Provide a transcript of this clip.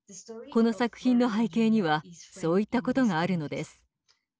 この作品の背景にはそういったことがあるのです。